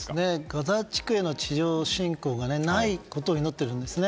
ガザ地区への地上侵攻をないことを祈っているんですね。